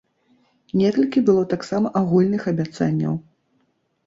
Некалькі было таксама агульных абяцанняў.